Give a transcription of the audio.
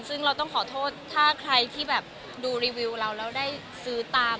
ซึ่งเราต้องขอโทษถ้าใครที่แบบดูรีวิวเราแล้วได้ซื้อตาม